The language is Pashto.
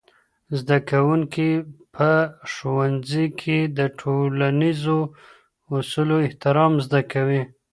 زدهکوونکي په ښوونځي کي د ټولنیزو اصولو احترام زده کوي.